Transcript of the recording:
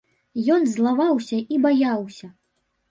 Ён злаваўся і баяўся.